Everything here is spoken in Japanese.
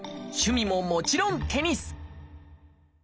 趣味ももちろんテニス！